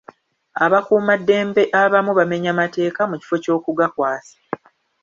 Abakuumaddembe abamu bamenya matteeka mu kifo ky'okugakwasa